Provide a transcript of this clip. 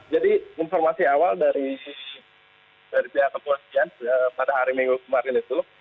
jadi informasi awal dari pihak kepolisian pada hari minggu kemarin itu